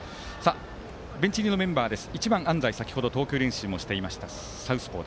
聖光学院ベンチ入りのメンバーです。